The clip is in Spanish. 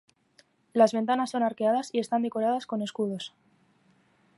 Las ventanas son arqueadas y están decoradas con escudos.